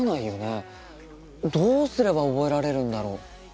どうすれば覚えられるんだろう？